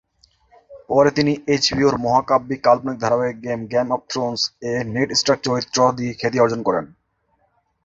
পরে তিনি এইচবিওর মহাকাব্যিক কাল্পনিক ধারাবাহিক "গেম অব থ্রোনস"-এ নেড স্টার্ক চরিত্র দিয়ে খ্যাতি অর্জন করেন।